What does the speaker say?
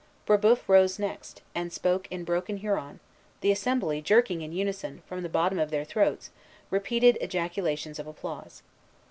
Brébeuf rose next, and spoke in broken Huron, the assembly jerking in unison, from the bottom of their throats, repeated ejaculations of applause.